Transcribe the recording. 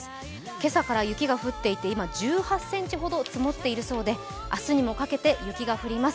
今朝から雪が降っていて、今１８ｃｍほど降っていて明日にもかけて雪が降ります。